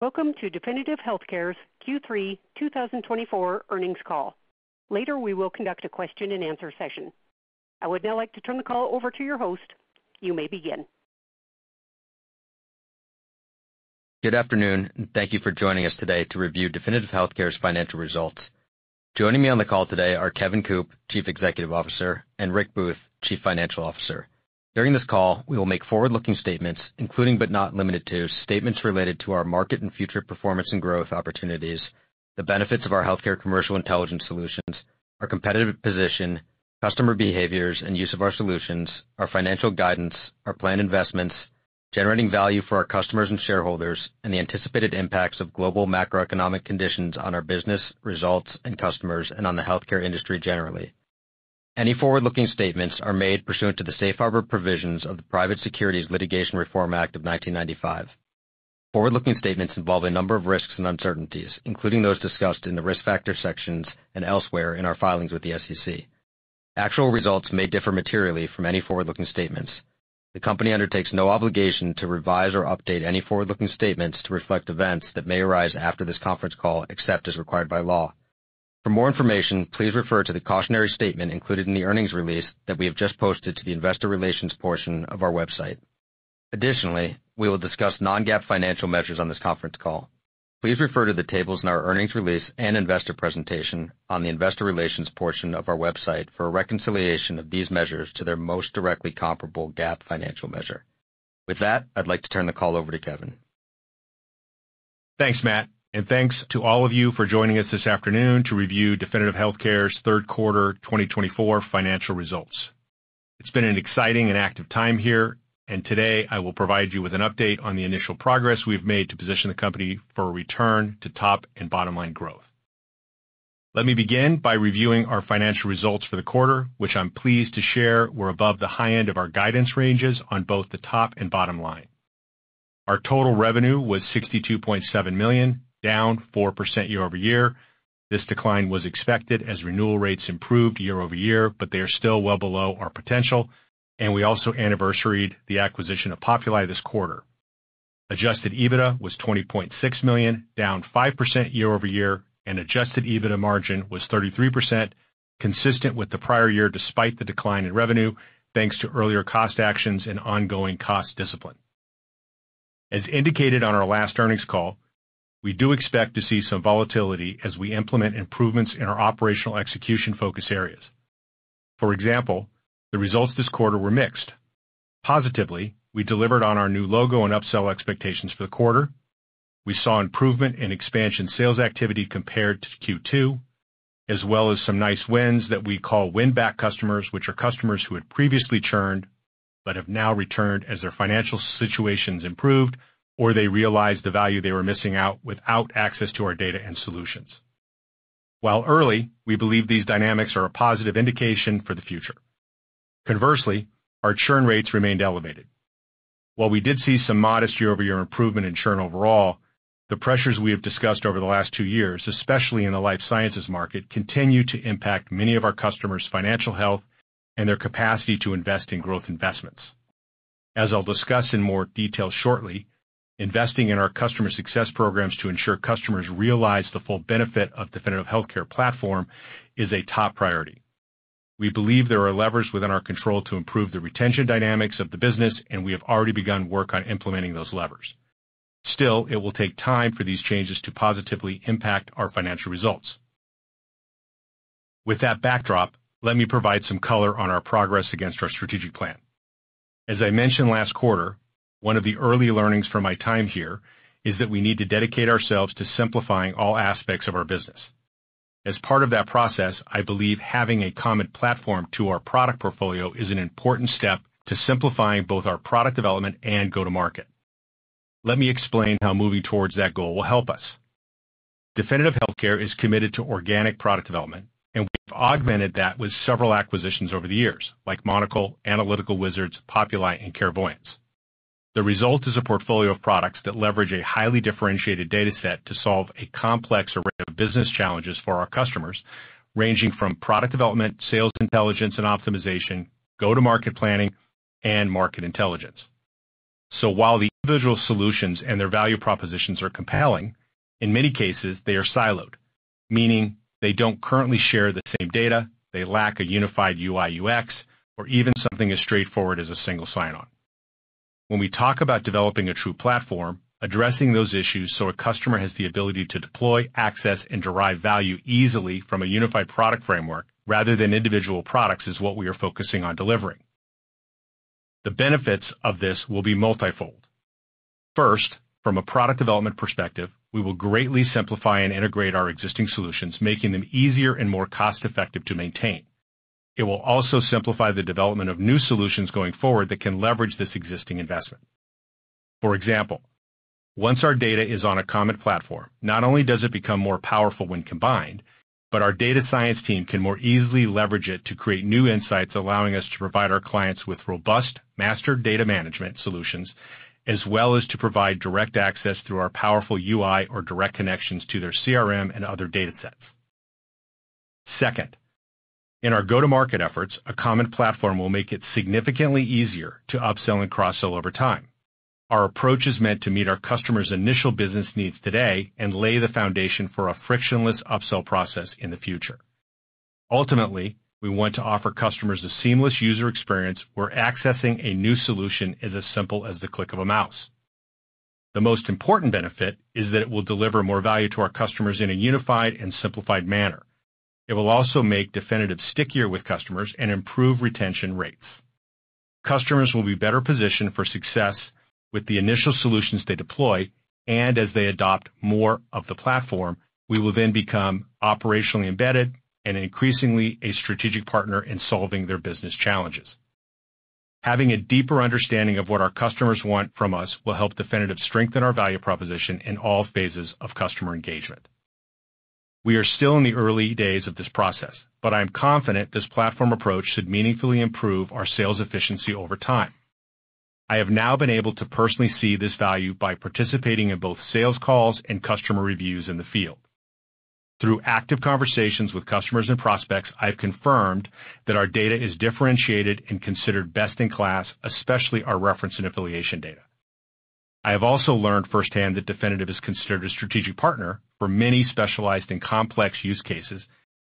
Welcome to Definitive Healthcare's Q3 2024 earnings call. Later, we will conduct a question-and-answer session. I would now like to turn the call over to your host. You may begin. Good afternoon, and thank you for joining us today to review Definitive Healthcare's financial results. Joining me on the call today are Kevin Coop, Chief Executive Officer, and Rick Booth, Chief Financial Officer. During this call, we will make forward-looking statements, including but not limited to statements related to our market and future performance and growth opportunities, the benefits of our healthcare commercial intelligence solutions, our competitive position, customer behaviors and use of our solutions, our financial guidance, our planned investments, generating value for our customers and shareholders, and the anticipated impacts of global macroeconomic conditions on our business, results, and customers, and on the healthcare industry generally. Any forward-looking statements are made pursuant to the safe harbor provisions of the Private Securities Litigation Reform Act of 1995. Forward-looking statements involve a number of risks and uncertainties, including those discussed in the risk factor sections and elsewhere in our filings with the SEC. Actual results may differ materially from any forward-looking statements. The company undertakes no obligation to revise or update any forward-looking statements to reflect events that may arise after this conference call, except as required by law. For more information, please refer to the cautionary statement included in the earnings release that we have just posted to the investor relations portion of our website. Additionally, we will discuss non-GAAP financial measures on this conference call. Please refer to the tables in our earnings release and investor presentation on the investor relations portion of our website for a reconciliation of these measures to their most directly comparable GAAP financial measure. With that, I'd like to turn the call over to Kevin. Thanks, Matt, and thanks to all of you for joining us this afternoon to review Definitive Healthcare's third quarter 2024 financial results. It's been an exciting and active time here, and today I will provide you with an update on the initial progress we've made to position the company for a return to top and bottom line growth. Let me begin by reviewing our financial results for the quarter, which I'm pleased to share were above the high end of our guidance ranges on both the top and bottom line. Our total revenue was $62.7 million, down 4% year-over-year. This decline was expected as renewal rates improved year-over-year, but they are still well below our potential, and we also anniversaried the acquisition of Populi this quarter. Adjusted EBITDA was $20.6 million, down 5% year-over-year, and adjusted EBITDA margin was 33%, consistent with the prior year despite the decline in revenue thanks to earlier cost actions and ongoing cost discipline. As indicated on our last earnings call, we do expect to see some volatility as we implement improvements in our operational execution focus areas. For example, the results this quarter were mixed. Positively, we delivered on our new logo and upsell expectations for the quarter. We saw improvement in expansion sales activity compared to Q2, as well as some nice wins that we call win-back customers, which are customers who had previously churned but have now returned as their financial situations improved or they realized the value they were missing out without access to our data and solutions. While early, we believe these dynamics are a positive indication for the future. Conversely, our churn rates remained elevated. While we did see some modest year-over-year improvement in churn overall, the pressures we have discussed over the last two years, especially in the life sciences market, continue to impact many of our customers' financial health and their capacity to invest in growth investments. As I'll discuss in more detail shortly, investing in our customer success programs to ensure customers realize the full benefit of the Definitive Healthcare platform is a top priority. We believe there are levers within our control to improve the retention dynamics of the business, and we have already begun work on implementing those levers. Still, it will take time for these changes to positively impact our financial results. With that backdrop, let me provide some color on our progress against our strategic plan. As I mentioned last quarter, one of the early learnings from my time here is that we need to dedicate ourselves to simplifying all aspects of our business. As part of that process, I believe having a common platform to our product portfolio is an important step to simplifying both our product development and go-to-market. Let me explain how moving towards that goal will help us. Definitive Healthcare is committed to organic product development, and we've augmented that with several acquisitions over the years, like Monocle, Analytical Wizards, Populi, and Carevoyance. The result is a portfolio of products that leverage a highly differentiated data set to solve a complex array of business challenges for our customers, ranging from product development, sales intelligence and optimization, go-to-market planning, and market intelligence. While the individual solutions and their value propositions are compelling, in many cases, they are siloed, meaning they don't currently share the same data, they lack a unified UI/UX, or even something as straightforward as a single sign-on. When we talk about developing a true platform, addressing those issues so a customer has the ability to deploy, access, and derive value easily from a unified product framework rather than individual products is what we are focusing on delivering. The benefits of this will be multifold. First, from a product development perspective, we will greatly simplify and integrate our existing solutions, making them easier and more cost-effective to maintain. It will also simplify the development of new solutions going forward that can leverage this existing investment. For example, once our data is on a common platform, not only does it become more powerful when combined, but our data science team can more easily leverage it to create new insights, allowing us to provide our clients with robust, mastered data management solutions, as well as to provide direct access through our powerful UI or direct connections to their CRM and other data sets. Second, in our go-to-market efforts, a common platform will make it significantly easier to upsell and cross-sell over time. Our approach is meant to meet our customers' initial business needs today and lay the foundation for a frictionless upsell process in the future. Ultimately, we want to offer customers a seamless user experience where accessing a new solution is as simple as the click of a mouse. The most important benefit is that it will deliver more value to our customers in a unified and simplified manner. It will also make Definitive stickier with customers and improve retention rates. Customers will be better positioned for success with the initial solutions they deploy, and as they adopt more of the platform, we will then become operationally embedded and increasingly a strategic partner in solving their business challenges. Having a deeper understanding of what our customers want from us will help Definitive strengthen our value proposition in all phases of customer engagement. We are still in the early days of this process, but I am confident this platform approach should meaningfully improve our sales efficiency over time. I have now been able to personally see this value by participating in both sales calls and customer reviews in the field. Through active conversations with customers and prospects, I've confirmed that our data is differentiated and considered best in class, especially our reference and affiliation data. I have also learned firsthand that Definitive is considered a strategic partner for many specialized and complex use cases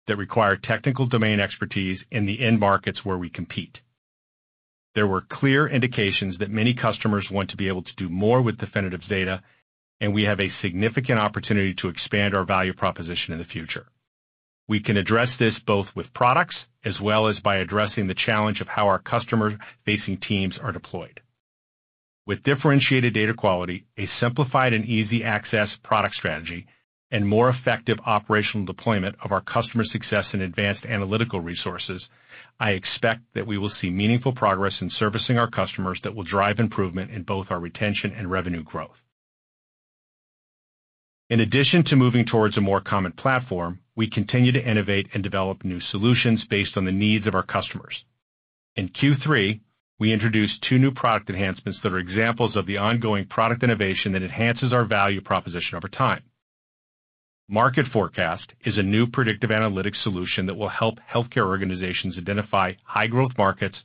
that require technical domain expertise in the end markets where we compete. There were clear indications that many customers want to be able to do more with Definitive's data, and we have a significant opportunity to expand our value proposition in the future. We can address this both with products as well as by addressing the challenge of how our customer-facing teams are deployed. With differentiated data quality, a simplified and easy-access product strategy, and more effective operational deployment of our customer success and advanced analytical resources, I expect that we will see meaningful progress in servicing our customers that will drive improvement in both our retention and revenue growth. In addition to moving towards a more common platform, we continue to innovate and develop new solutions based on the needs of our customers. In Q3, we introduced two new product enhancements that are examples of the ongoing product innovation that enhances our value proposition over time. Market Forecast is a new predictive analytics solution that will help healthcare organizations identify high-growth markets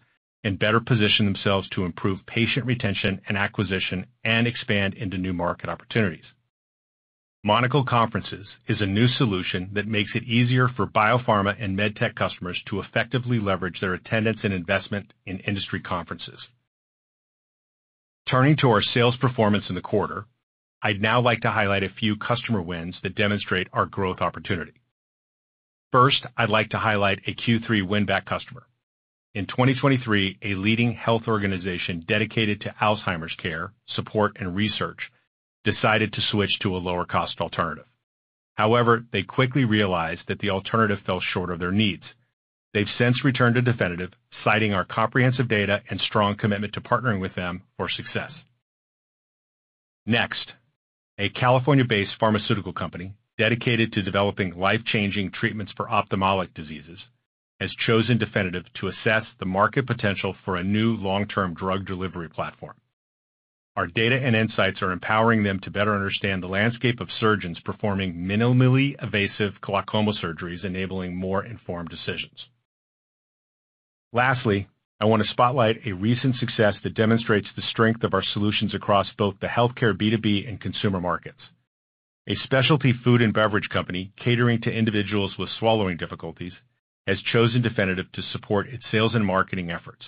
and better position themselves to improve patient retention and acquisition and expand into new market opportunities. Monocle Conferences is a new solution that makes it easier for biopharma and medtech customers to effectively leverage their attendance and investment in industry conferences. Turning to our sales performance in the quarter, I'd now like to highlight a few customer wins that demonstrate our growth opportunity. First, I'd like to highlight a Q3 win-back customer. In 2023, a leading health organization dedicated to Alzheimer's care, support, and research decided to switch to a lower-cost alternative. However, they quickly realized that the alternative fell short of their needs. They've since returned to Definitive, citing our comprehensive data and strong commitment to partnering with them for success. Next, a California-based pharmaceutical company dedicated to developing life-changing treatments for ophthalmologic diseases has chosen Definitive to assess the market potential for a new long-term drug delivery platform. Our data and insights are empowering them to better understand the landscape of surgeons performing minimally invasive glaucoma surgeries, enabling more informed decisions. Lastly, I want to spotlight a recent success that demonstrates the strength of our solutions across both the healthcare B2B and consumer markets. A specialty food and beverage company catering to individuals with swallowing difficulties has chosen Definitive to support its sales and marketing efforts.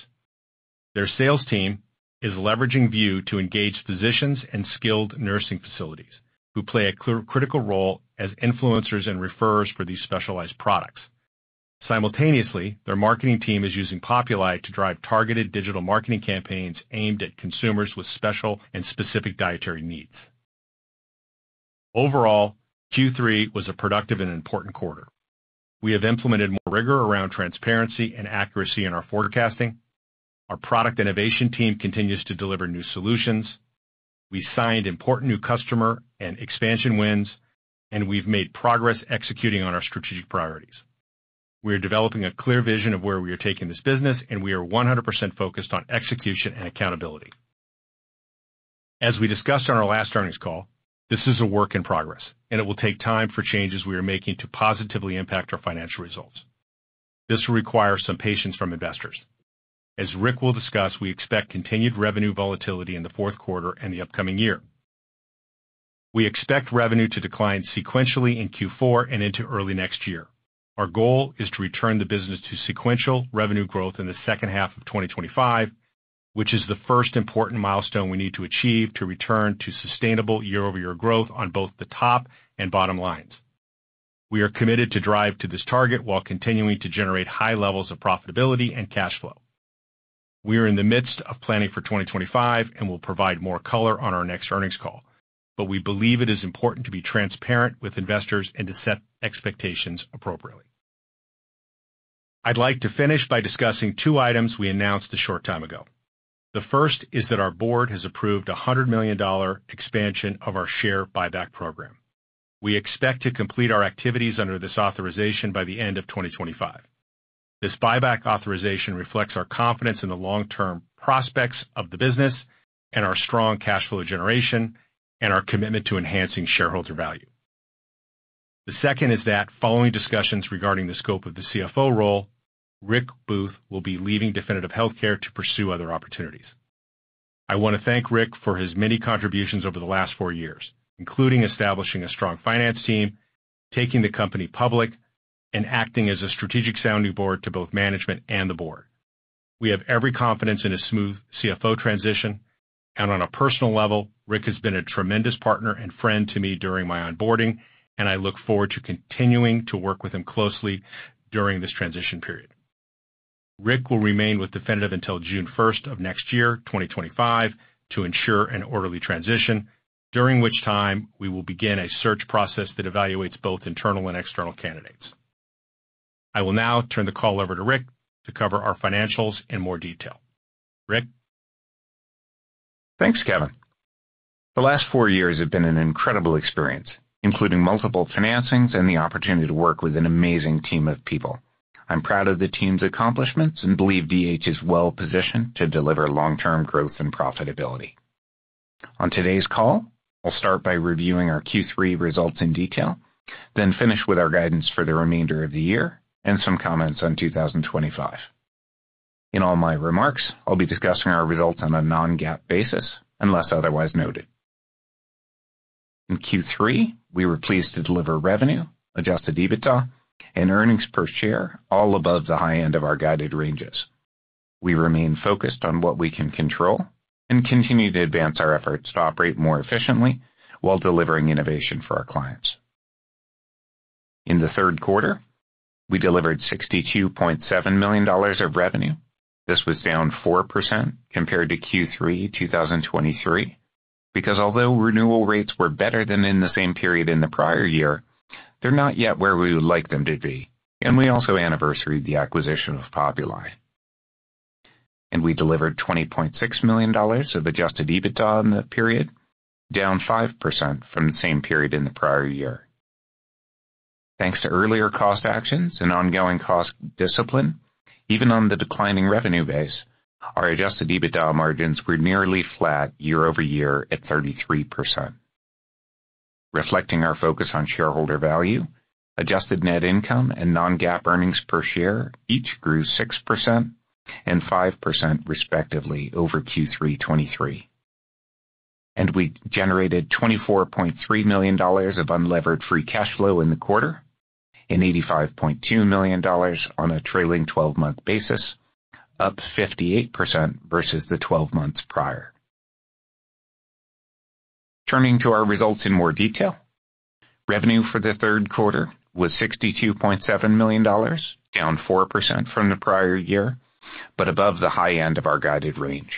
Their sales team is leveraging View to engage physicians and skilled nursing facilities who play a critical role as influencers and referrers for these specialized products. Simultaneously, their marketing team is using Populi to drive targeted digital marketing campaigns aimed at consumers with special and specific dietary needs. Overall, Q3 was a productive and important quarter. We have implemented more rigor around transparency and accuracy in our forecasting. Our product innovation team continues to deliver new solutions. We signed important new customer and expansion wins, and we've made progress executing on our strategic priorities. We are developing a clear vision of where we are taking this business, and we are 100% focused on execution and accountability. As we discussed on our last earnings call, this is a work in progress, and it will take time for changes we are making to positively impact our financial results. This will require some patience from investors. As Rick will discuss, we expect continued revenue volatility in the fourth quarter and the upcoming year. We expect revenue to decline sequentially in Q4 and into early next year. Our goal is to return the business to sequential revenue growth in the second half of 2025, which is the first important milestone we need to achieve to return to sustainable year-over-year growth on both the top and bottom lines. We are committed to drive to this target while continuing to generate high levels of profitability and cash flow. We are in the midst of planning for 2025 and will provide more color on our next earnings call, but we believe it is important to be transparent with investors and to set expectations appropriately. I'd like to finish by discussing two items we announced a short time ago. The first is that our board has approved a $100 million expansion of our share buyback program. We expect to complete our activities under this authorization by the end of 2025. This buyback authorization reflects our confidence in the long-term prospects of the business and our strong cash flow generation and our commitment to enhancing shareholder value. The second is that, following discussions regarding the scope of the CFO role, Rick Booth will be leaving Definitive Healthcare to pursue other opportunities. I want to thank Rick for his many contributions over the last four years, including establishing a strong finance team, taking the company public, and acting as a strategic sounding board to both management and the board. We have every confidence in a smooth CFO transition, and on a personal level, Rick has been a tremendous partner and friend to me during my onboarding, and I look forward to continuing to work with him closely during this transition period. Rick will remain with Definitive until June 1st of next year, 2025, to ensure an orderly transition, during which time we will begin a search process that evaluates both internal and external candidates. I will now turn the call over to Rick to cover our financials in more detail. Rick? Thanks, Kevin. The last four years have been an incredible experience, including multiple financings and the opportunity to work with an amazing team of people. I'm proud of the team's accomplishments and believe DH is well-positioned to deliver long-term growth and profitability. On today's call, I'll start by reviewing our Q3 results in detail, then finish with our guidance for the remainder of the year and some comments on 2025. In all my remarks, I'll be discussing our results on a non-GAAP basis unless otherwise noted. In Q3, we were pleased to deliver revenue, Adjusted EBITDA, and earnings per share all above the high end of our guided ranges. We remain focused on what we can control and continue to advance our efforts to operate more efficiently while delivering innovation for our clients. In the third quarter, we delivered $62.7 million of revenue. This was down 4% compared to Q3 2023 because, although renewal rates were better than in the same period in the prior year, they're not yet where we would like them to be, and we also anniversary the acquisition of Populi. We delivered $20.6 million of Adjusted EBITDA in that period, down 5% from the same period in the prior year. Thanks to earlier cost actions and ongoing cost discipline, even on the declining revenue base, our Adjusted EBITDA margins were nearly flat year-over-year at 33%. Reflecting our focus on shareholder value, adjusted net income and non-GAAP earnings per share each grew 6% and 5% respectively over Q3 2023. We generated $24.3 million of unlevered free cash flow in the quarter and $85.2 million on a trailing 12-month basis, up 58% versus the 12 months prior. Turning to our results in more detail, revenue for the third quarter was $62.7 million, down 4% from the prior year, but above the high end of our guided range.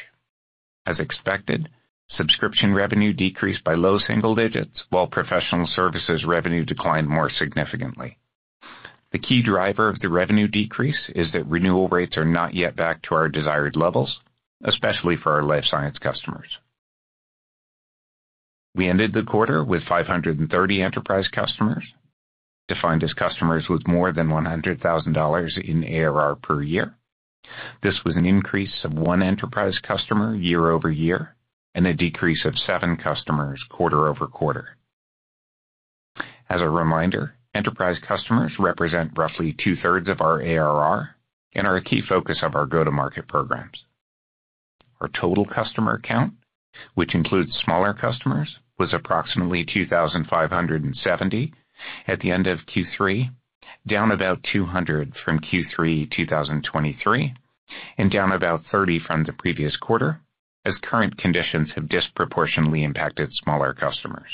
As expected, subscription revenue decreased by low single digits, while professional services revenue declined more significantly. The key driver of the revenue decrease is that renewal rates are not yet back to our desired levels, especially for our life science customers. We ended the quarter with 530 enterprise customers, defined as customers with more than $100,000 in ARR per year. This was an increase of one enterprise customer year-over-year and a decrease of seven customers quarter over quarter. As a reminder, enterprise customers represent roughly two-thirds of our ARR and are a key focus of our go-to-market programs. Our total customer count, which includes smaller customers, was approximately 2,570 at the end of Q3, down about 200 from Q3 2023, and down about 30 from the previous quarter as current conditions have disproportionately impacted smaller customers.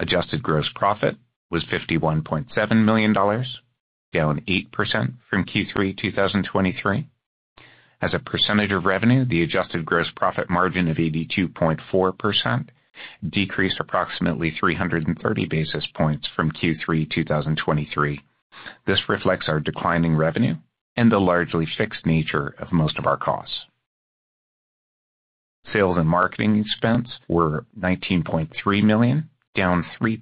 Adjusted Gross Profit was $51.7 million, down 8% from Q3 2023. As a percentage of revenue, the Adjusted Gross Profit Margin of 82.4% decreased approximately 330 basis points from Q3 2023. This reflects our declining revenue and the largely fixed nature of most of our costs. Sales and Marketing Expenses were $19.3 million, down 3%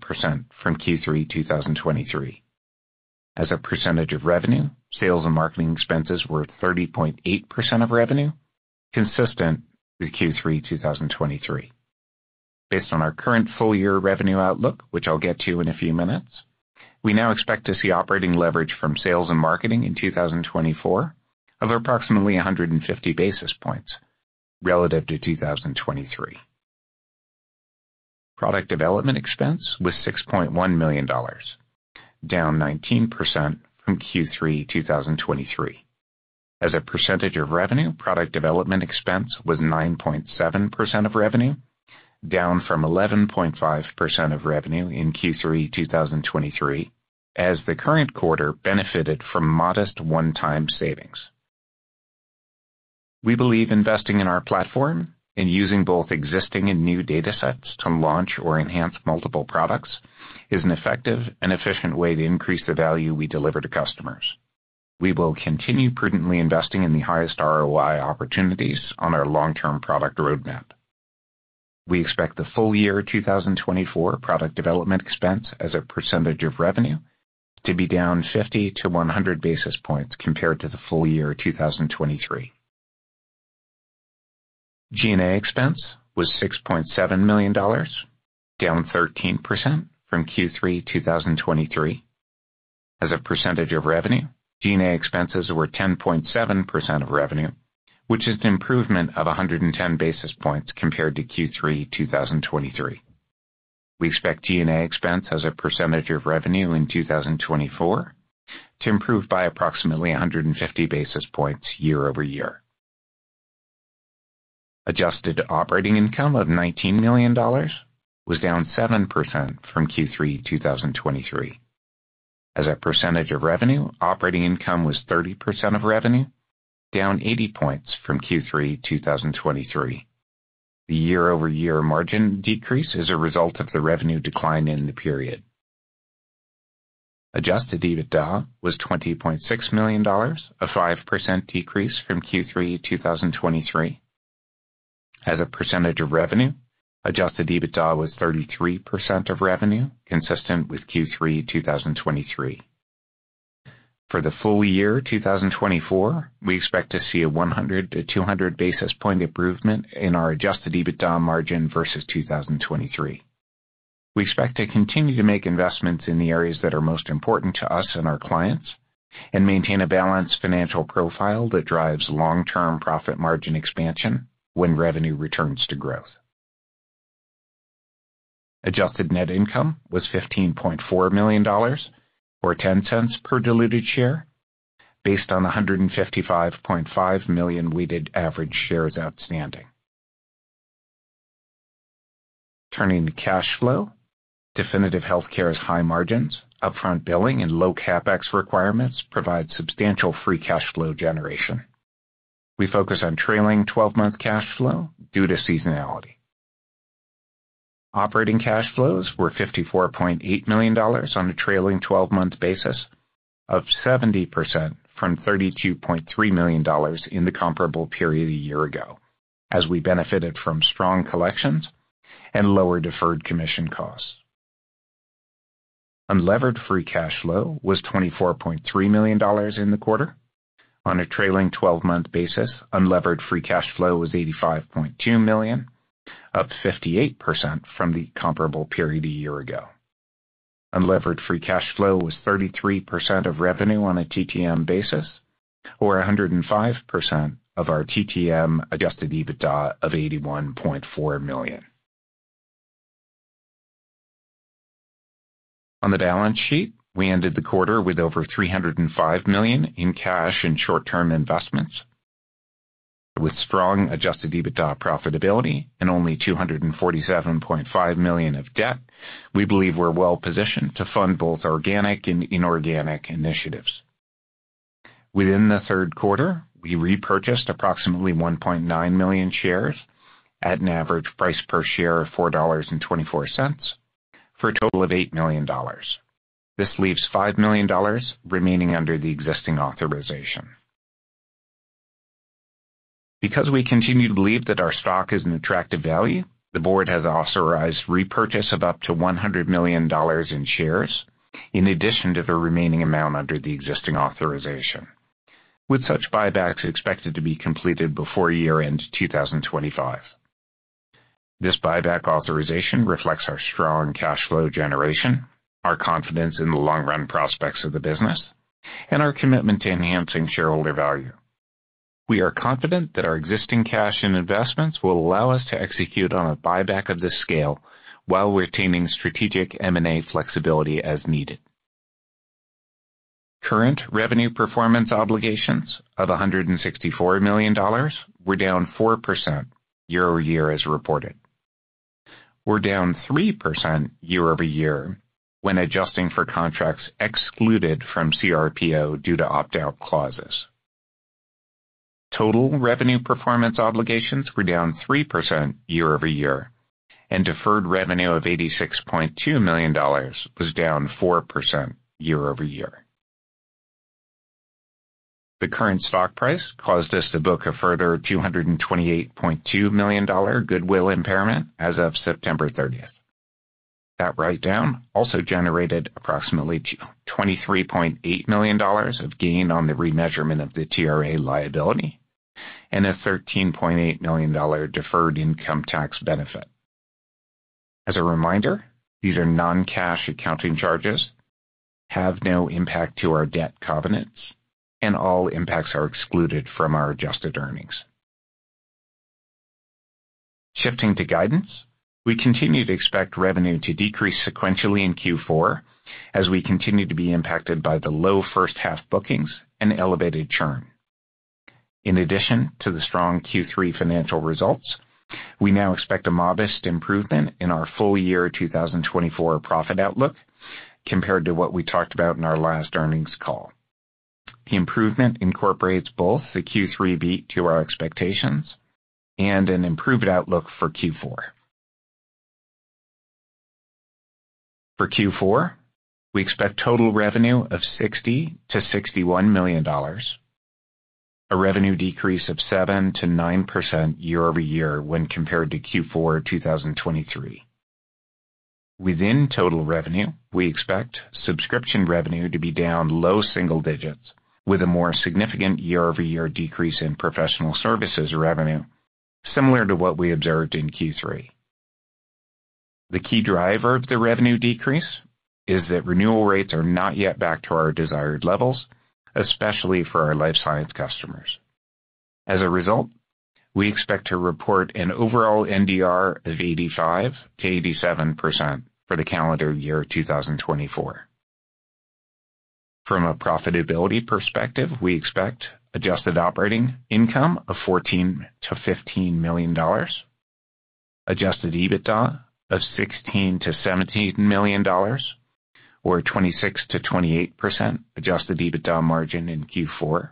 from Q3 2023. As a percentage of revenue, sales and marketing expenses were 30.8% of revenue, consistent with Q3 2023. Based on our current full-year revenue outlook, which I'll get to in a few minutes, we now expect to see operating leverage from sales and marketing in 2024 of approximately 150 basis points relative to 2023. Product development expense was $6.1 million, down 19% from Q3 2023. As a percentage of revenue, product development expense was 9.7% of revenue, down from 11.5% of revenue in Q3 2023, as the current quarter benefited from modest one-time savings. We believe investing in our platform and using both existing and new data sets to launch or enhance multiple products is an effective and efficient way to increase the value we deliver to customers. We will continue prudently investing in the highest ROI opportunities on our long-term product roadmap. We expect the full-year 2024 product development expense as a percentage of revenue to be down 50 basis points-100 basis points compared to the full-year 2023. G&A expense was $6.7 million, down 13% from Q3 2023. As a percentage of revenue, G&A expenses were 10.7% of revenue, which is an improvement of 110 basis points compared to Q3 2023. We expect G&A expense as a percentage of revenue in 2024 to improve by approximately 150 basis points year-over-year. Adjusted operating income of $19 million was down 7% from Q3 2023. As a percentage of revenue, operating income was 30% of revenue, down 80 points from Q3 2023. The year-over-year margin decrease is a result of the revenue decline in the period. Adjusted EBITDA was $20.6 million, a 5% decrease from Q3 2023. As a percentage of revenue, adjusted EBITDA was 33% of revenue, consistent with Q3 2023. For the full year 2024, we expect to see a 100-200 basis points improvement in our adjusted EBITDA margin versus 2023. We expect to continue to make investments in the areas that are most important to us and our clients and maintain a balanced financial profile that drives long-term profit margin expansion when revenue returns to growth. Adjusted Net Income was $15.4 million, or $0.10 per diluted share, based on 155.5 million weighted average shares outstanding. Turning to cash flow, Definitive Healthcare's high margins, upfront billing, and low CapEx requirements provide substantial free cash flow generation. We focus on trailing 12-month cash flow due to seasonality. Operating cash flows were $54.8 million on a trailing 12-month basis, up 70% from $32.3 million in the comparable period a year ago, as we benefited from strong collections and lower deferred commission costs. Unlevered Free Cash Flow was $24.3 million in the quarter. On a trailing 12-month basis, Unlevered Free Cash Flow was $85.2 million, up 58% from the comparable period a year ago. Unlevered Free Cash Flow was 33% of revenue on a TTM basis, or 105% of our TTM Adjusted EBITDA of $81.4 million. On the balance sheet, we ended the quarter with over $305 million in cash and short-term investments. With strong adjusted EBITDA profitability and only $247.5 million of debt, we believe we're well-positioned to fund both organic and inorganic initiatives. Within the third quarter, we repurchased approximately 1.9 million shares at an average price per share of $4.24 for a total of $8 million. This leaves $5 million remaining under the existing authorization. Because we continue to believe that our stock is an attractive value, the board has authorized repurchase of up to $100 million in shares in addition to the remaining amount under the existing authorization, with such buybacks expected to be completed before year-end 2025. This buyback authorization reflects our strong cash flow generation, our confidence in the long-run prospects of the business, and our commitment to enhancing shareholder value. We are confident that our existing cash and investments will allow us to execute on a buyback of this scale while retaining strategic M&A flexibility as needed. Current revenue performance obligations of $164 million were down 4% year-over-year as reported. We're down 3% year-over-year when adjusting for contracts excluded from CRPO due to opt-out clauses. Total revenue performance obligations were down 3% year-over-year, and deferred revenue of $86.2 million was down 4% year-over-year. The current stock price caused us to book a further $228.2 million goodwill impairment as of September 30th. That write-down also generated approximately $23.8 million of gain on the remeasurement of the TRA liability and a $13.8 million deferred income tax benefit. As a reminder, these are non-cash accounting charges, have no impact to our debt covenants, and all impacts are excluded from our adjusted earnings. Shifting to guidance, we continue to expect revenue to decrease sequentially in Q4 as we continue to be impacted by the low first-half bookings and elevated churn. In addition to the strong Q3 financial results, we now expect a modest improvement in our full-year 2024 profit outlook compared to what we talked about in our last earnings call. The improvement incorporates both the Q3 beat to our expectations and an improved outlook for Q4. For Q4, we expect total revenue of $60 million-$61 million, a revenue decrease of 7%-9% year-over-year when compared to Q4 2023. Within total revenue, we expect subscription revenue to be down low single digits, with a more significant year-over-year decrease in professional services revenue, similar to what we observed in Q3. The key driver of the revenue decrease is that renewal rates are not yet back to our desired levels, especially for our life science customers. As a result, we expect to report an overall NDR of 85%-87% for the calendar year 2024. From a profitability perspective, we expect adjusted operating income of $14 million-$15 million, adjusted EBITDA of $16 million-$17 million, or 26%-28% adjusted EBITDA margin in Q4,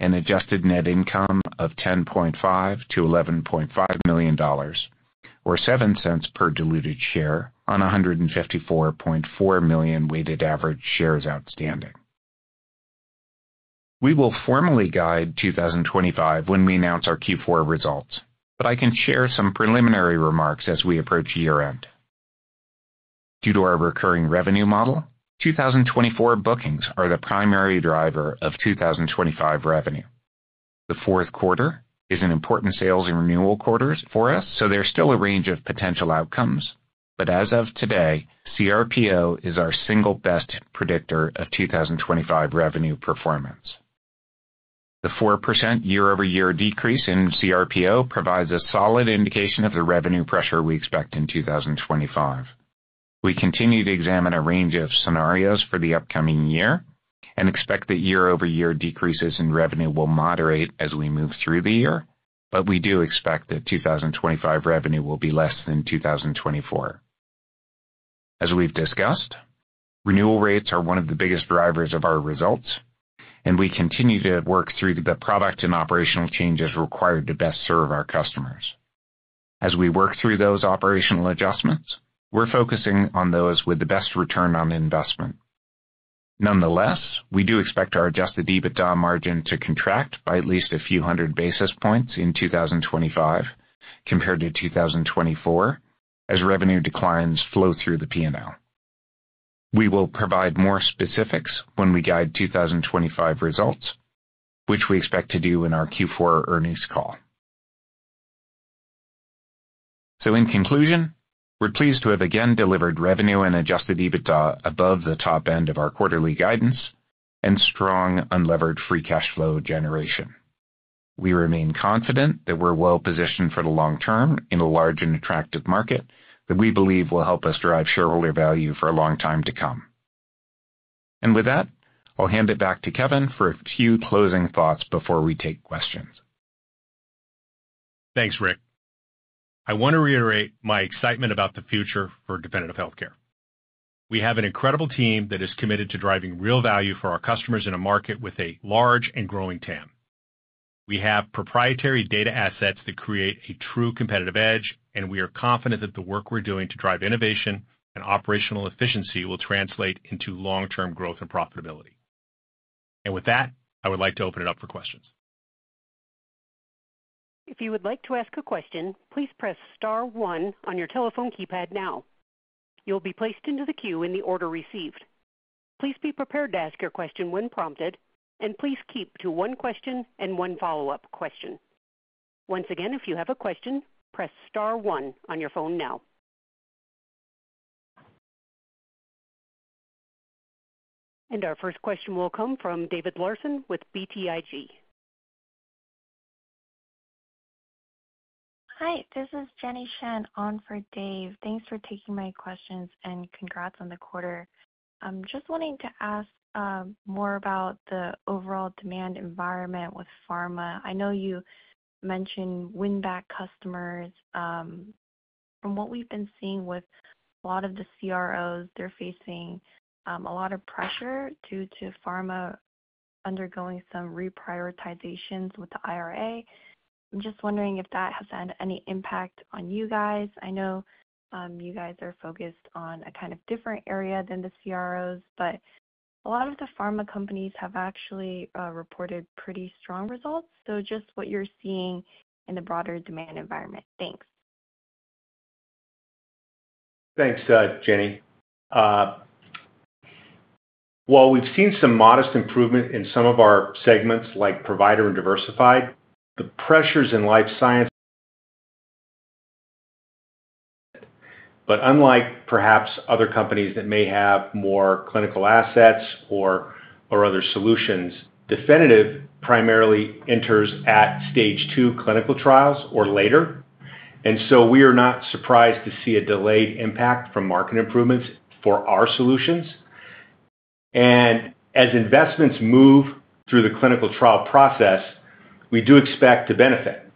and adjusted net income of $10.5 million-$11.5 million, or $0.07 per diluted share on 154.4 million weighted average shares outstanding. We will formally guide 2025 when we announce our Q4 results, but I can share some preliminary remarks as we approach year-end. Due to our recurring revenue model, 2024 bookings are the primary driver of 2025 revenue. The fourth quarter is an important sales and renewal quarter for us, so there's still a range of potential outcomes, but as of today, CRPO is our single best predictor of 2025 revenue performance. The 4% year-over-year decrease in CRPO provides a solid indication of the revenue pressure we expect in 2025. We continue to examine a range of scenarios for the upcoming year and expect that year-over-year decreases in revenue will moderate as we move through the year, but we do expect that 2025 revenue will be less than 2024. As we've discussed, renewal rates are one of the biggest drivers of our results, and we continue to work through the product and operational changes required to best serve our customers. As we work through those operational adjustments, we're focusing on those with the best return on investment. Nonetheless, we do expect our Adjusted EBITDA margin to contract by at least a few hundred basis points in 2025 compared to 2024 as revenue declines flow through the P&L. We will provide more specifics when we guide 2025 results, which we expect to do in our Q4 earnings call. So in conclusion, we're pleased to have again delivered revenue and Adjusted EBITDA above the top end of our quarterly guidance and strong unlevered free cash flow generation. We remain confident that we're well-positioned for the long term in a large and attractive market that we believe will help us drive shareholder value for a long time to come. And with that, I'll hand it back to Kevin for a few closing thoughts before we take questions. Thanks, Rick. I want to reiterate my excitement about the future for Definitive Healthcare. We have an incredible team that is committed to driving real value for our customers in a market with a large and growing TAM. We have proprietary data assets that create a true competitive edge, and we are confident that the work we're doing to drive innovation and operational efficiency will translate into long-term growth and profitability, and with that, I would like to open it up for questions. If you would like to ask a question, please press star one on your telephone keypad now. You'll be placed into the queue in the order received. Please be prepared to ask your question when prompted, and please keep to one question and one follow-up question. Once again, if you have a question, press star one on your phone now, and our first question will come from David Larsen with BTIG. Hi, this is Jenny Shen on for Dave. Thanks for taking my questions and congrats on the quarter. I'm just wanting to ask more about the overall demand environment with pharma. I know you mentioned win-back customers. From what we've been seeing with a lot of the CROs, they're facing a lot of pressure due to pharma undergoing some reprioritizations with the IRA. I'm just wondering if that has had any impact on you guys. I know you guys are focused on a kind of different area than the CROs, but a lot of the pharma companies have actually reported pretty strong results. So just what you're seeing in the broader demand environment. Thanks. Thanks, Jenny. While we've seen some modest improvement in some of our segments like provider and diversified, the pressures in life science, but unlike perhaps other companies that may have more clinical assets or other solutions, Definitive primarily enters at Stage 2 clinical trials or later. And so we are not surprised to see a delayed impact from market improvements for our solutions. And as investments move through the clinical trial process, we do expect to benefit.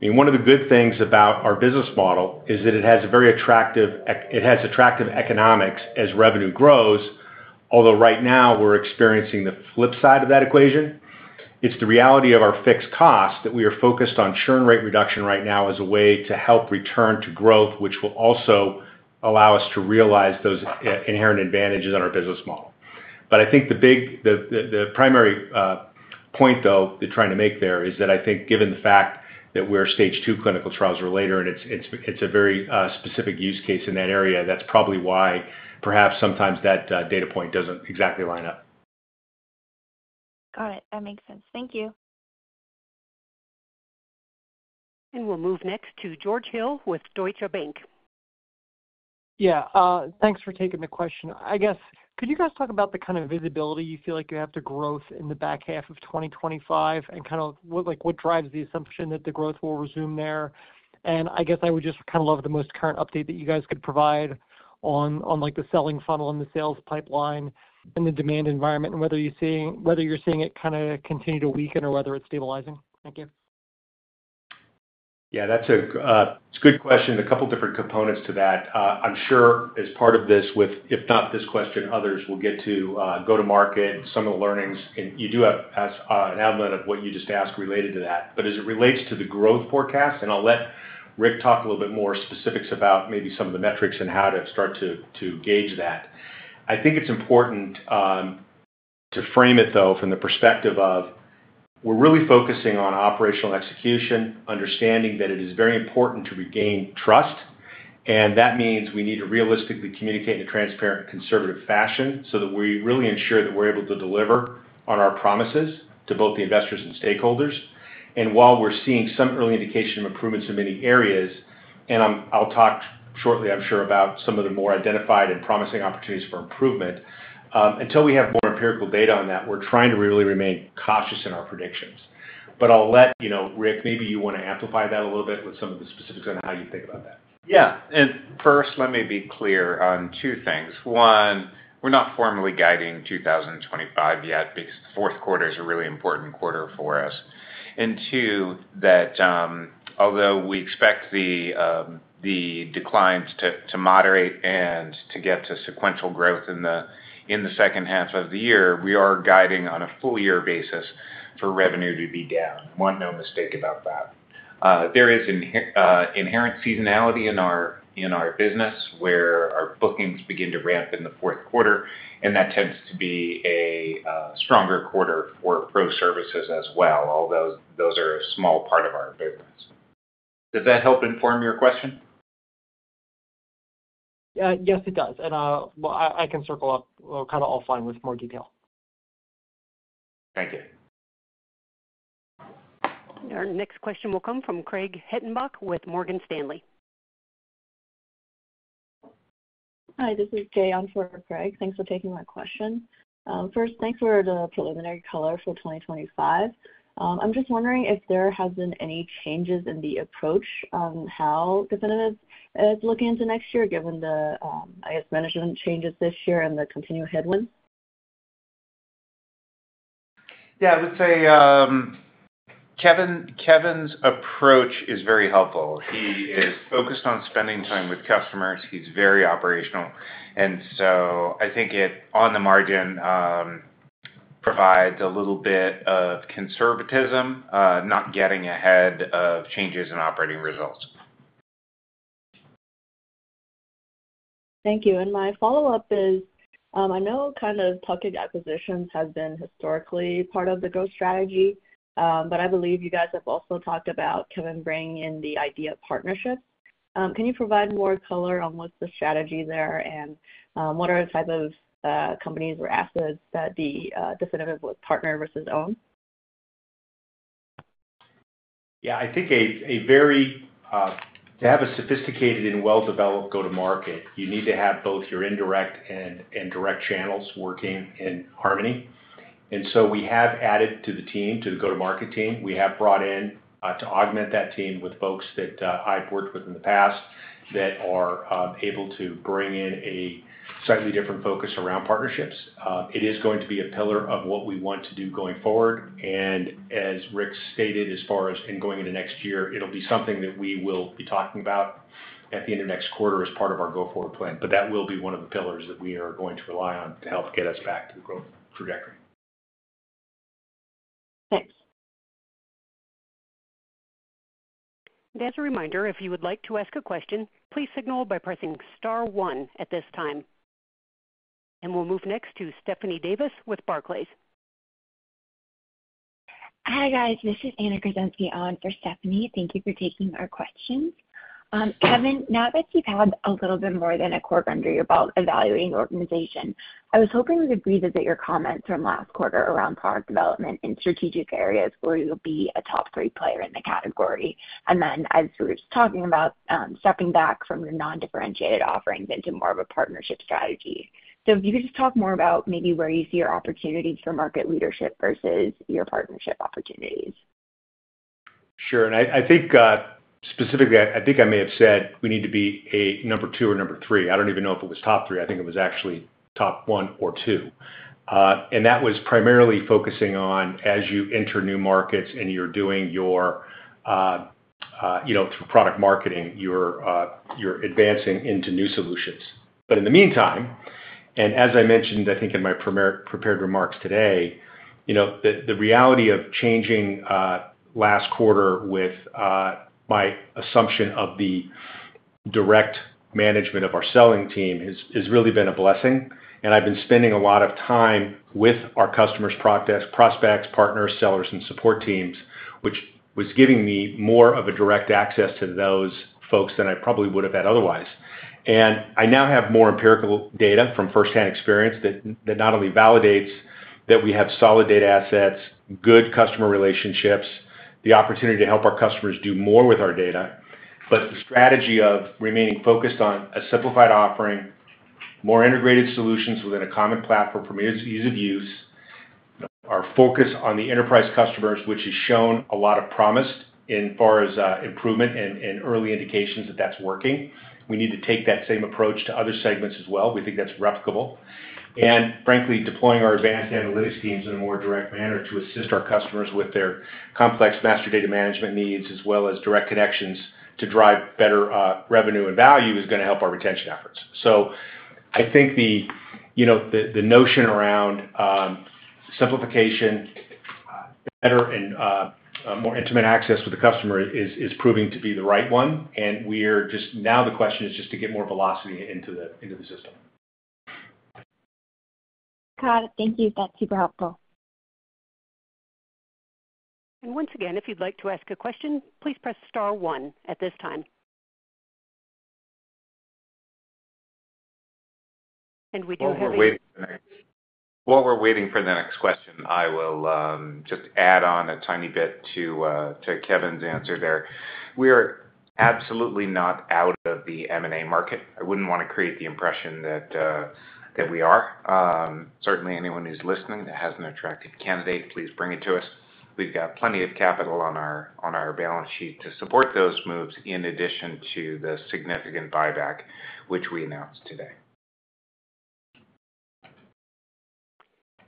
I mean, one of the good things about our business model is that it has a very attractive economics as revenue grows, although right now we're experiencing the flip side of that equation. It's the reality of our fixed cost that we are focused on churn rate reduction right now as a way to help return to growth, which will also allow us to realize those inherent advantages on our business model. But I think the primary point, though, to try to make there is that I think given the fact that we're Stage 2 clinical trials or later, and it's a very specific use case in that area, that's probably why perhaps sometimes that data point doesn't exactly line up. Got it. That makes sense. Thank you. And we'll move next to George Hill with Deutsche Bank. Yeah. Thanks for taking the question. I guess, could you guys talk about the kind of visibility you feel like you have to growth in the back half of 2025 and kind of what drives the assumption that the growth will resume there? I guess I would just kind of love the most current update that you guys could provide on the selling funnel and the sales pipeline and the demand environment and whether you're seeing it kind of continue to weaken or whether it's stabilizing. Thank you. Yeah, that's a good question. A couple of different components to that. I'm sure as part of this, if not this question, others will get to go to market, some of the learnings. You do have an advantage of what you just asked related to that, but as it relates to the growth forecast, and I'll let Rick talk a little bit more specifics about maybe some of the metrics and how to start to gauge that. I think it's important to frame it, though, from the perspective of we're really focusing on operational execution, understanding that it is very important to regain trust. That means we need to realistically communicate in a transparent and conservative fashion so that we really ensure that we're able to deliver on our promises to both the investors and stakeholders. And while we're seeing some early indication of improvements in many areas, and I'll talk shortly, I'm sure, about some of the more identified and promising opportunities for improvement, until we have more empirical data on that, we're trying to really remain cautious in our predictions. But I'll let Rick, maybe you want to amplify that a little bit with some of the specifics on how you think about that. Yeah. And first, let me be clear on two things. One, we're not formally guiding 2025 yet because the fourth quarter is a really important quarter for us. And two, that although we expect the declines to moderate and to get to sequential growth in the second half of the year, we are guiding on a full-year basis for revenue to be down. We want no mistake about that. There is inherent seasonality in our business where our bookings begin to ramp in the fourth quarter, and that tends to be a stronger quarter for pro services as well, although those are a small part of our business. Does that help inform your question? Yes, it does. And I can circle up kind of offline with more detail. Thank you. Our next question will come from Craig Hettenbach with Morgan Stanley. Hi, this is Jay on for Craig. Thanks for taking my question. First, thanks for the preliminary color for 2025. I'm just wondering if there have been any changes in the approach on how Definitive is looking into next year given the, I guess, management changes this year and the continued headwinds. Yeah, I would say Kevin's approach is very helpful. He is focused on spending time with customers. He's very operational. And so I think it, on the margin, provides a little bit of conservatism, not getting ahead of changes in operating results. Thank you. And my follow-up is I know kind of tuck-in acquisitions has been historically part of the growth strategy, but I believe you guys have also talked about Kevin bringing in the idea of partnerships. Can you provide more color on what's the strategy there and what are the type of companies or assets that the Definitive would partner versus own? Yeah, I think to have a sophisticated and well-developed go-to-market, you need to have both your indirect and direct channels working in harmony. And so we have added to the team, to the go-to-market team, we have brought in to augment that team with folks that I've worked with in the past that are able to bring in a slightly different focus around partnerships. It is going to be a pillar of what we want to do going forward. And as Rick stated, as far as going into next year, it'll be something that we will be talking about at the end of next quarter as part of our go-forward plan. But that will be one of the pillars that we are going to rely on to help get us back to the growth trajectory. Thanks. And as a reminder, if you would like to ask a question, please signal by pressing star one at this time. And we'll move next to Stephanie Davis with Barclays. Hi guys, this is Anna Kruszenski on for Stephanie. Thank you for taking our questions. Kevin, now that you've had a little bit more than a quarter under your belt evaluating the organization, I was hoping we could revisit your comments from last quarter around product development and strategic areas where you'll be a top three player in the category. And then, as we were just talking about, stepping back from your non-differentiated offerings into more of a partnership strategy. So if you could just talk more about maybe where you see your opportunities for market leadership versus your partnership opportunities. Sure. I think specifically, I think I may have said we need to be a number two or number three. I don't even know if it was top three. I think it was actually top one or two. And that was primarily focusing on as you enter new markets and you're doing your product marketing, you're advancing into new solutions. But in the meantime, and as I mentioned, I think in my prepared remarks today, the reality of changing last quarter with my assumption of the direct management of our selling team has really been a blessing. And I've been spending a lot of time with our customers, prospects, partners, sellers, and support teams, which was giving me more of a direct access to those folks than I probably would have had otherwise. I now have more empirical data from firsthand experience that not only validates that we have solid data assets, good customer relationships, the opportunity to help our customers do more with our data, but the strategy of remaining focused on a simplified offering, more integrated solutions within a common platform for ease of use, our focus on the enterprise customers, which has shown a lot of promise insofar as improvement and early indications that that's working. We need to take that same approach to other segments as well. We think that's replicable. Frankly, deploying our advanced analytics teams in a more direct manner to assist our customers with their complex master data management needs as well as direct connections to drive better revenue and value is going to help our retention efforts. So I think the notion around simplification, better, and more intimate access with the customer is proving to be the right one. And now the question is just to get more velocity into the system. Got it. Thank you. That's super helpful. And once again, if you'd like to ask a question, please press star one at this time. While we're waiting for the next question, I will just add on a tiny bit to Kevin's answer there. We are absolutely not out of the M&A market. I wouldn't want to create the impression that we are. Certainly, anyone who's listening that has an attractive candidate, please bring it to us. We've got plenty of capital on our balance sheet to support those moves in addition to the significant buyback, which we announced today.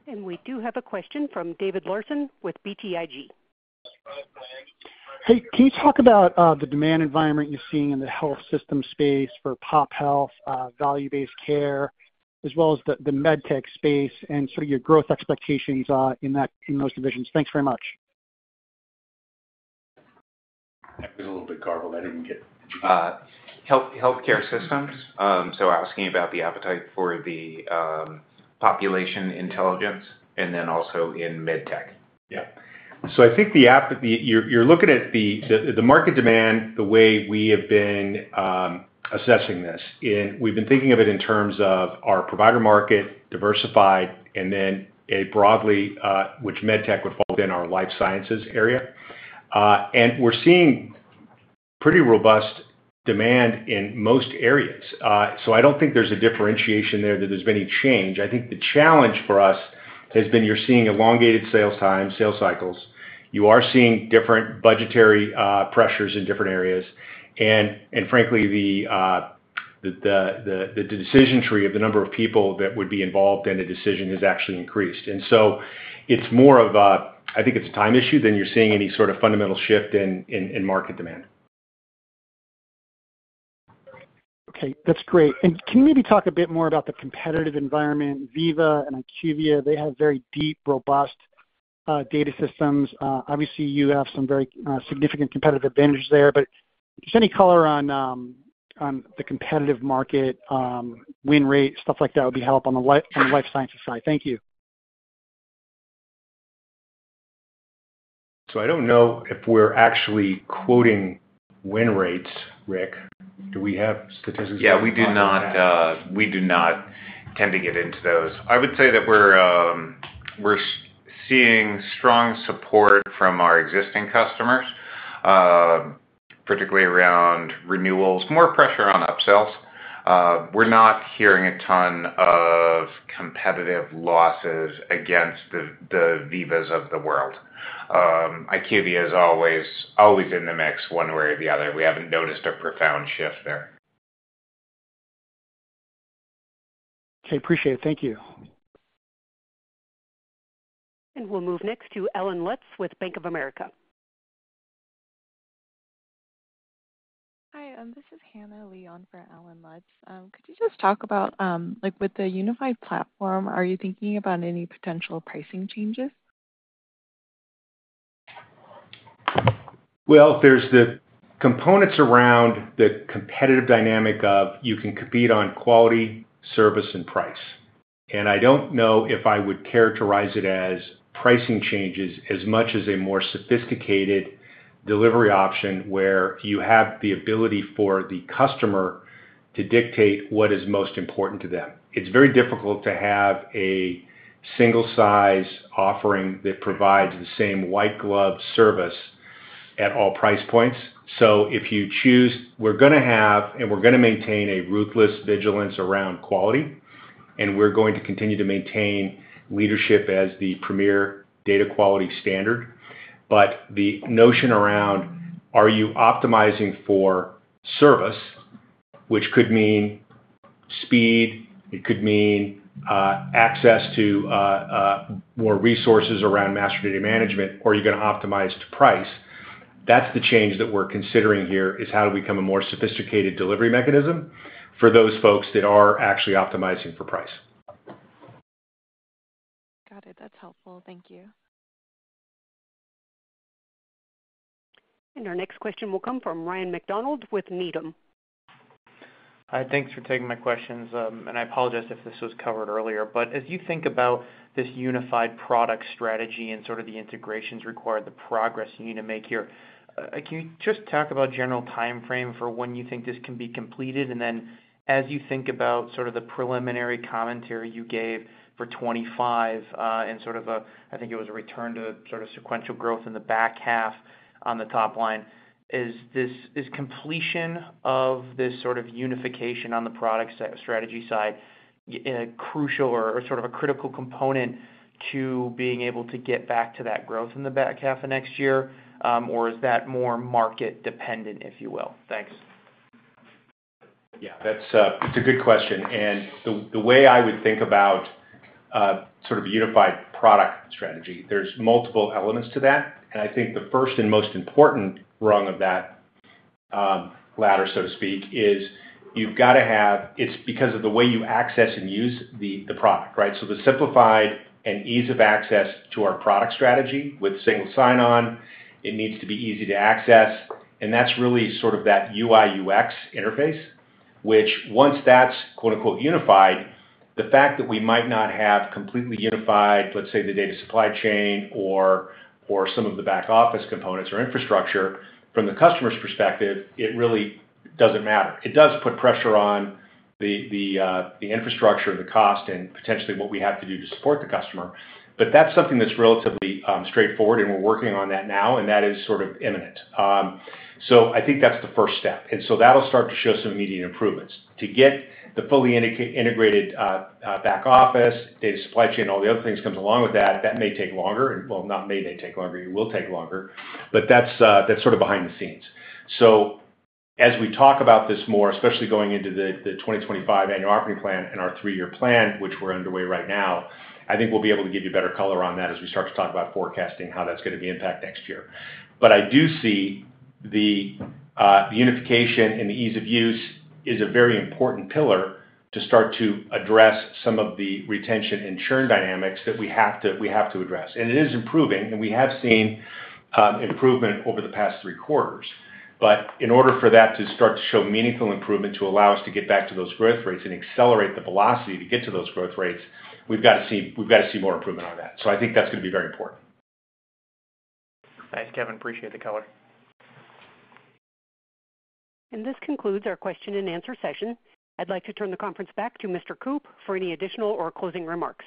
And we do have a question from David Larsen with BTIG. Hey, can you talk about the demand environment you're seeing in the health system space for pop health, value-based care, as well as the Med Tech space, and sort of your growth expectations in those divisions? Thanks very much. I was a little bit garbled. I didn't get it. Healthcare systems. So asking about the appetite for the population intelligence and then also in MedTech. Yeah. So I think if you're looking at the market demand, the way we have been assessing this, and we've been thinking of it in terms of our provider market, diversified, and then broadly, which MedTech would fall within our life sciences area. And we're seeing pretty robust demand in most areas. So I don't think there's a differentiation there that there's been any change. I think the challenge for us has been. You're seeing elongated sales times, sales cycles. You are seeing different budgetary pressures in different areas. And frankly, the decision tree of the number of people that would be involved in a decision has actually increased. And so it's more of a, I think it's a time issue than you're seeing any sort of fundamental shift in market demand. Okay. That's great. And can you maybe talk a bit more about the competitive environment? Veeva and IQVIA, they have very deep, robust data systems. Obviously, you have some very significant competitive advantages there. But just any color on the competitive market, win rate, stuff like that would be helpful on the life sciences side. Thank you. So I don't know if we're actually quoting win rates, Rick. Do we have statistics? Yeah, we do not. We do not tend to get into those. I would say that we're seeing strong support from our existing customers, particularly around renewals, more pressure on upsells. We're not hearing a ton of competitive losses against the Veeva of the world. IQVIA is always in the mix one way or the other. We haven't noticed a profound shift there. Okay. Appreciate it. Thank you. We'll move next to Allen Lutz with Bank of America. Hi. This is Hannah Lee for Allen Lutz. Could you just talk about with the unified platform, are you thinking about any potential pricing changes? Well, there are the components around the competitive dynamic of you can compete on quality, service, and price. I don't know if I would characterize it as pricing changes as much as a more sophisticated delivery option where you have the ability for the customer to dictate what is most important to them. It's very difficult to have a single-size offering that provides the same white-glove service at all price points. So if you choose, we're going to have and we're going to maintain a ruthless vigilance around quality, and we're going to continue to maintain leadership as the premier data quality standard, but the notion around, are you optimizing for service, which could mean speed, it could mean access to more resources around master data management, or are you going to optimize to price? That's the change that we're considering here is how do we become a more sophisticated delivery mechanism for those folks that are actually optimizing for price. Got it. That's helpful. Thank you. And our next question will come from Ryan MacDonald with Needham. Hi. Thanks for taking my questions, and I apologize if this was covered earlier. But as you think about this unified product strategy and sort of the integrations required, the progress you need to make here, can you just talk about a general timeframe for when you think this can be completed? And then as you think about sort of the preliminary commentary you gave for 2025 and sort of a, I think it was a return to sort of sequential growth in the back half on the top line, is completion of this sort of unification on the product strategy side a crucial or sort of a critical component to being able to get back to that growth in the back half of next year? Or is that more market-dependent, if you will? Thanks. Yeah. That's a good question. And the way I would think about sort of a unified product strategy, there's multiple elements to that. I think the first and most important rung of that ladder, so to speak, is you've got to have it's because of the way you access and use the product, right? The simplified and ease of access to our product strategy with single sign-on, it needs to be easy to access. That's really sort of that UI/UX interface, which once that's "unified," the fact that we might not have completely unified, let's say, the data supply chain or some of the back-office components or infrastructure from the customer's perspective, it really doesn't matter. It does put pressure on the infrastructure, the cost, and potentially what we have to do to support the customer. That's something that's relatively straightforward, and we're working on that now, and that is sort of imminent. I think that's the first step. That'll start to show some immediate improvements. To get the fully integrated back-office, data supply chain, all the other things comes along with that, that may take longer. Well, not may, they take longer. It will take longer. But that's sort of behind the scenes. So as we talk about this more, especially going into the 2025 annual operating plan and our three-year plan, which we're underway right now, I think we'll be able to give you better color on that as we start to talk about forecasting how that's going to be impacted next year. But I do see the unification and the ease of use is a very important pillar to start to address some of the retention and churn dynamics that we have to address. And it is improving, and we have seen improvement over the past three quarters. But in order for that to start to show meaningful improvement to allow us to get back to those growth rates and accelerate the velocity to get to those growth rates, we've got to see more improvement on that. So I think that's going to be very important. Thanks, Kevin. Appreciate the color. And this concludes our question-and-answer session. I'd like to turn the conference back to Mr. Coop for any additional or closing remarks.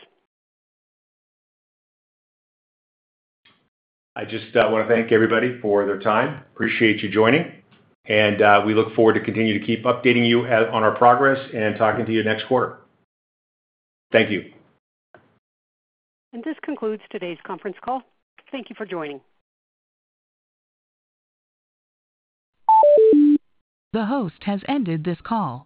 I just want to thank everybody for their time. Appreciate you joining. And we look forward to continuing to keep updating you on our progress and talking to you next quarter. Thank you. And this concludes today's conference call. Thank you for joining.